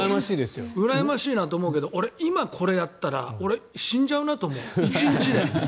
うらやましいと思うけど俺、今これやったら俺、死んじゃうなと思う１日で。